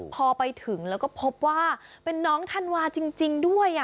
พอไปถึงแล้วก็พบว่าเป็นน้องธันวาจริงด้วย